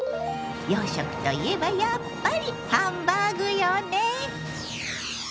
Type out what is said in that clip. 洋食といえばやっぱりハンバーグよね。